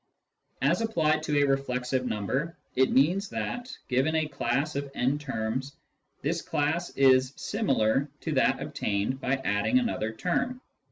As applied to a reflexive number, it means that, given a class of « terms, this class is " similar " to that obtained by adding another term.